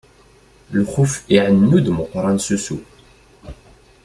Lxuf iɛennu-d Meqqran s ussu.